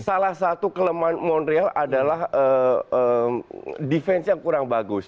salah satu kelemahan monreal adalah defense yang kurang bagus